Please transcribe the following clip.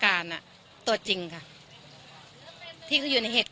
สำหรับเขาจะสู้สมของทศวรรษทางเดียว